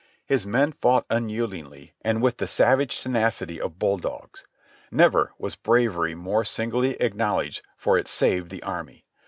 His men fought unyieldingly and with the savage tenacity of bulldogs. Never was bravery more signally acknowl edged, for it saved the army.